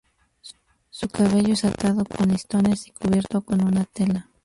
Su cabello es atado con listones y cubierto con una tela.